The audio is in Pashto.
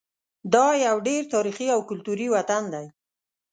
دا یو ډېر تاریخي او کلتوري وطن دی.